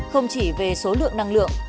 không chỉ về số lượng năng lượng